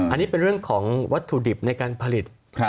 อันนี้เป็นเรื่องของวัตถุดิบในการผลิต